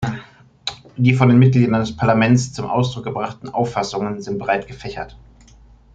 Die von den Mitgliedern dieses Parlaments zum Ausdruck gebrachten Auffassungen sind breit gefächert.